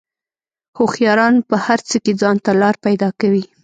هوښیاران په هر څه کې ځان ته لار پیدا کوي.